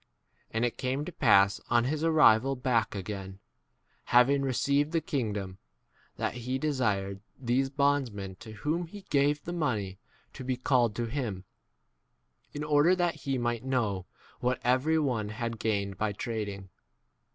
And it came to pass on his arrival back, again, having received the kingdom, that 2 he desired these bondsmen to whom he gave the money to be called to him, in order that he might know what every one had 10 gained by trading.